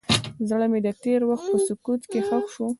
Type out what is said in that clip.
زړه مې د تېر وخت په سکوت کې ښخ شو.